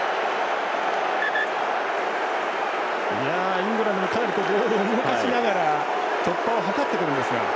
イングランドもかなりボールを動かしながら突破を図ってくるんですが。